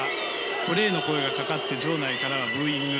プレーの声がかかって場内からはブーイング。